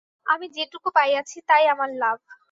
আমি যেটুকু পাইয়াছি তাই আমার লাভ।